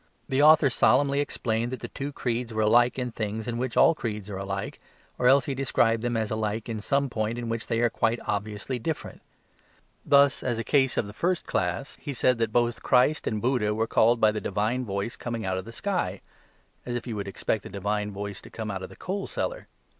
The author solemnly explained that the two creeds were alike in things in which all creeds are alike, or else he described them as alike in some point in which they are quite obviously different. Thus, as a case of the first class, he said that both Christ and Buddha were called by the divine voice coming out of the sky, as if you would expect the divine voice to come out of the coal cellar.